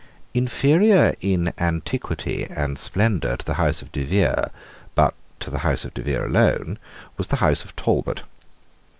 Inferior in antiquity and splendour to the house of De Vere, but to the house of De Vere alone, was the house of Talbot.